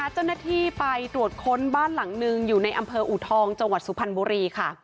เจ้าหน้าที่ไปตรวจค้นบ้านหลังหนึ่งอยู่ในอำเภออูทองจังหวัดสุพรรณบุรีค่ะ